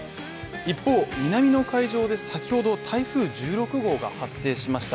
一方、南の海上で先ほど台風１６号が発生しました。